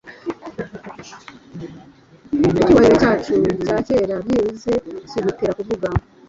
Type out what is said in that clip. Icyubahiro cyacu cya kera byibuze kigutera kuvuga